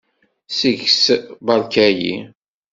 Seg-s beṛka-yi.